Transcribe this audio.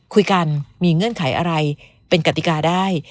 คุยกันมีเงื่อนไขอะไรเป็นกติกาได้